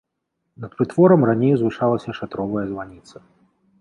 Над прытворам раней узвышалася шатровая званіца.